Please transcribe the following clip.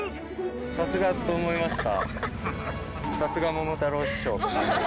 さすがと思いました。